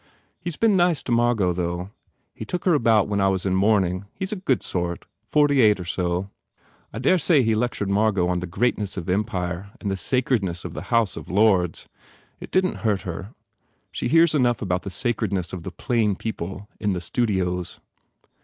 He s been nice to Margot, though. He took her about when I was in mourning He s a good sort. Forty eight or so. I dare say he lectured Margot on the greatness of Empire and the sacredness of the House of Lords. It didn t hurt her. She hears enough about the sacredness of the plain people, in the studios."